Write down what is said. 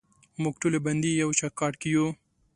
موږ ټولې بندې یو چوکاټ کې یو